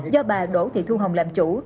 do bà đỗ thị thu hồng làm chủ